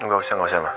gak usah gak usah ma